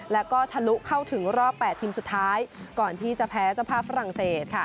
แล้วก็ทะลุเข้าถึงรอบ๘ทีมสุดท้ายก่อนที่จะแพ้เจ้าภาพฝรั่งเศส